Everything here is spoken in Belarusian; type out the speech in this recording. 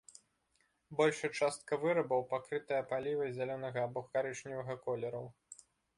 Большая частка вырабаў пакрытая палівай зялёнага або карычневага колераў.